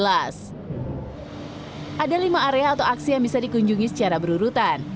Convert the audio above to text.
ada lima area atau aksi yang bisa dikunjungi secara berurutan